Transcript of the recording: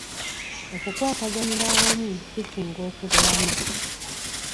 Okukwataganira awamu kisinga okulwana.